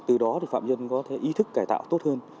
từ đó thì phạm nhân có thể ý thức cải tạo tốt hơn